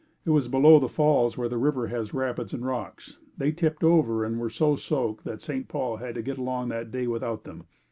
It was below the Falls where the river had rapids and rocks. They tipped over and were so soaked that St. Paul had to get along that day without them.